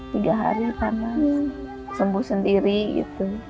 tiga hari panas sembuh sendiri